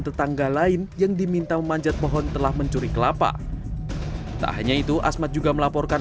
tetangga lain yang diminta memanjat pohon telah mencuri kelapa tak hanya itu asmat juga melaporkan